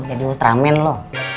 jadi ultraman lu